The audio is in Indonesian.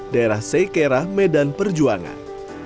daerah sekera medan perjuangan